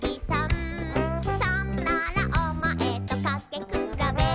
「そんならお前とかけくらべ」